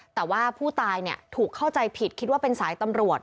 แต่ว่าผู้ตายถูกเข้าใจผิดคิดว่าเป็นสายตำรวจ